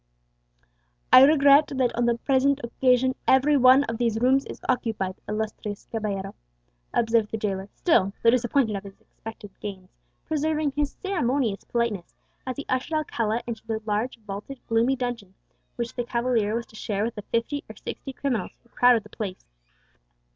"I regret that on the present occasion every one of these rooms is occupied, illustrious caballero," observed the jailer, still though disappointed of his expected gains preserving his ceremonious politeness, as he ushered Alcala into the large vaulted gloomy dungeon which the cavalier was to share with the fifty or sixty criminals who crowded the place.